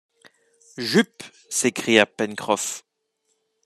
Jup ! s’écria Pencroff